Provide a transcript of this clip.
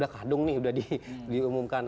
kandung nih sudah diumumkan